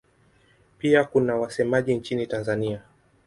Pia kuna wasemaji nchini Tanzania.